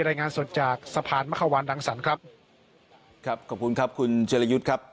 รายงานสดจากสะพานมะขวานรังสรรค์ครับครับขอบคุณครับคุณเจรยุทธ์ครับ